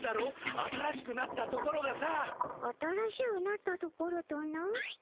新しくなったところがさ。